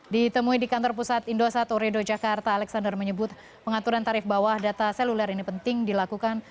ditemui di kantor pusat indosa toredo jakarta alexander menyebut pengaturan tarif bawah data seluler ini penting dilakukan